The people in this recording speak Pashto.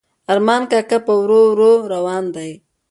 ارمان کاکا په ورو ورو روان دی.